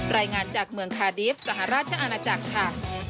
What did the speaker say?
รายงานจากเมืองคาดีฟสหราชอาณาจักรค่ะ